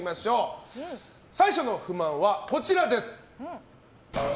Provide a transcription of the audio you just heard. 最初の不満はこちらです。